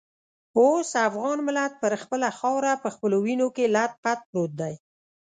اوس افغان ملت پر خپله خاوره په خپلو وینو کې لت پت پروت دی.